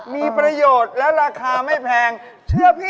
มีประโยชน์และราคาไม่แพงเชื่อพี่